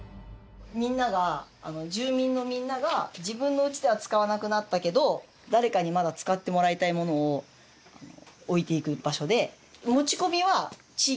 みんなが住民のみんなが自分のうちでは使わなくなったけど誰かにまだ使ってもらいたいものを置いていく場所で。